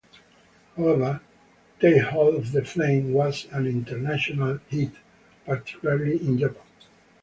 However, "Take Hold of the Flame" was an international hit, particularly in Japan.